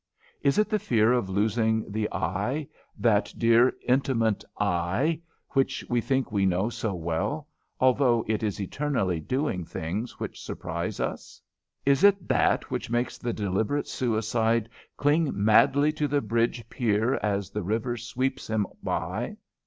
Is it the fear of losing the I, that dear, intimate I, which we think we know so well, although it is eternally doing things which surprise us? Is it that which makes the deliberate suicide cling madly to the bridge pier as the river sweeps him by?